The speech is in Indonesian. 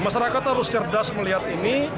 masyarakat harus cerdas melihat ini